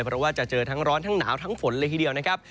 เพราะว่าจะเจอทั้งร้อนทั้งหนาวทั้งฝนเลยทีเดียวนะครับ